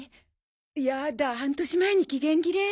やだ半年前に期限切れ？